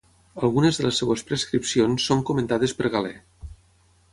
Algunes de les seves prescripcions són comentades per Galè.